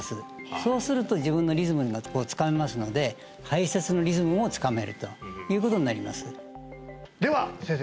そうすると自分のリズムがつかめますので排泄のリズムもつかめるということになりますでは先生